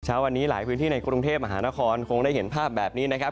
เช้าวันนี้หลายพื้นที่ในกรุงเทพมหานครคงได้เห็นภาพแบบนี้นะครับ